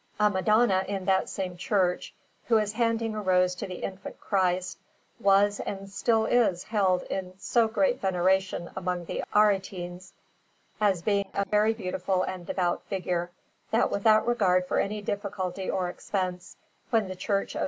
A Madonna in that same church, who is handing a rose to the Infant Christ, was and still is held in so great veneration among the Aretines, as being a very beautiful and devout figure, that without regard for any difficulty or expense, when the Church of S.